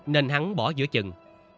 nên hắn bỏ giữa chừng